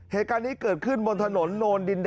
เหตุการณ์นี้เกิดขึ้น